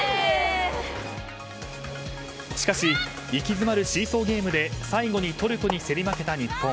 しかし、息詰まるシーソーゲームで最後にトルコに競り負けた日本。